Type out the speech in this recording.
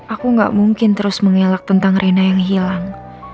aku gak mungkin terus mengelak tentang rina yang hilang